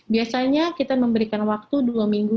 biasanya kita memberikan waktu dua minggu